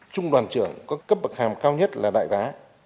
trung đoàn trưởng có cấp bậc hàm cao nhất là đại tá